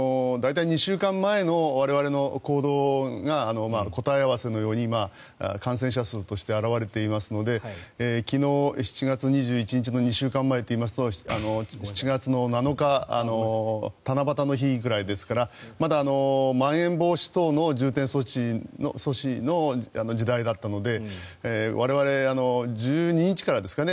ただ、大体２週間前の我々の行動が答え合わせのように感染者として表れていますので昨日、７月２１日の２週間前といいますと７月の７日七夕の日くらいですからまだ、まん延防止等重点措置の時代だったので我々、１２日からですかね。